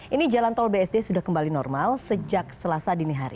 ini jalan tol bsd sudah kembali normal sejak selasa dini hari